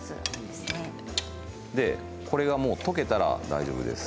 これが溶けたら大丈夫です。